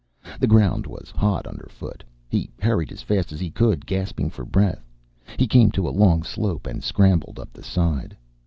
The ground was hot underfoot. He hurried as fast as he could, gasping for breath. He came to a long slope and scrambled up the side.